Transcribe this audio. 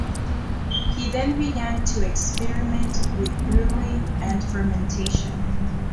He then began to experiment with brewing and fermentation.